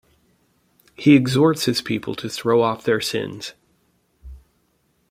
He exhorts his people to throw off their sins.